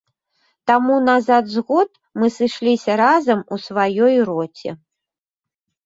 Таму назад з год мы сышліся разам у сваёй роце.